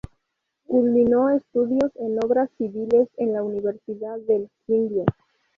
Culminó estudios en Obras Civiles en la Universidad del Quindío.